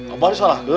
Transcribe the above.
gak apa apa salah